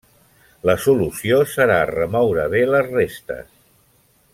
La solució serà remoure bé les restes.